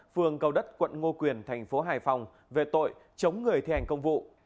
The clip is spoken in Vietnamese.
phường cầu đất quận ngô quyền thành phố hải phòng về tội chống người thi hành công vụ